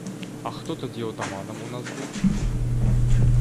А хто тоді отаманом у нас був?